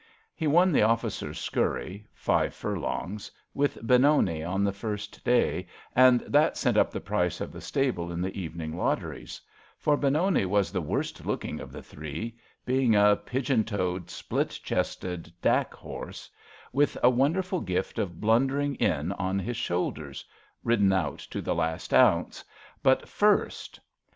He won the Officers' Scurry — five furlongs — ^with Benoni on the first day, and that sent up the price of the stable in the evening lotteries ; for Benoni was the worst looking of the three, being a pigeon toed, split chested dak horse, 129 130 ABAFT THE FUNNEL with a wonderful gift of blundering in on his shoulders — ridden out to the last ounce — but first.